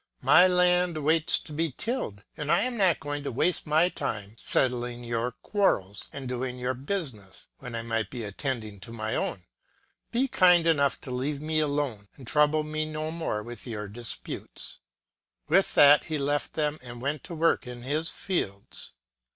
My land waits to be tilled ; and I am not going to waste my time settling your quarrels and doing your business, when I might be attend ing to my own ; be kind enough to leave me alone, and trouble me no more with your disputes. With that he left them, and went to work in his fields.